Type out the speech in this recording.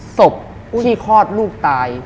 ศพผู้ที่คลอดลูกตาย